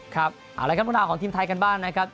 ครับอะไรครับพวกเราของทีมไทยกันบ้างนะครับ